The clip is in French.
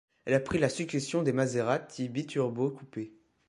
Elle a pris la succession des Maserati Biturbo coupé.